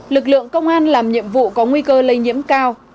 lực lượng công an làm nhiệm vụ có nguy cơ lây nhiễm cao